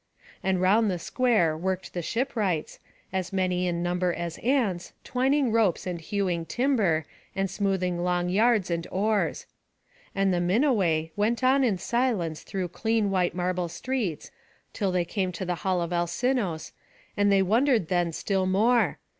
And round the square worked the shipwrights, as many in number as ants, twining ropes, and hewing timber, and smoothing long yards and oars. And the Minuai went on in silence through clean white marble streets, till they came to the hall of Alcinous, and they wondered then still more.